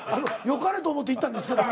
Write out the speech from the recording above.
よかれと思って言ったんですけど。